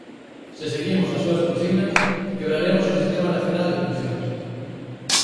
Se seguimos as súas consignas, quebraremos o sistema nacional de pensións.